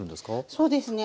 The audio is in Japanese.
そうですね。